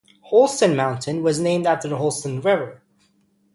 Holston Mountain was named after the Holston River.